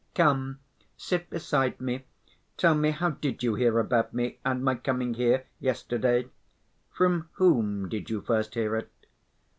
"Come, sit beside me, tell me, how did you hear about me, and my coming here yesterday? From whom did you first hear it?"